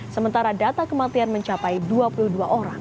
sementara data kematian mencapai dua puluh dua orang